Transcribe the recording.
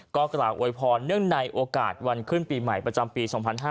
ก็กล่าวอวยพรเนื่องในโอกาสวันขึ้นปีใหม่ประจำปี๒๕๕๙